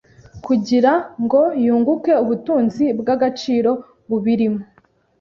kugira ngo yunguke ubutunzi bw’agaciro bubirimo.